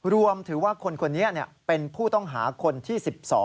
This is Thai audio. รวมถือว่าคนเนี่ยเป็นผู้ต้องหาคนที่๑๒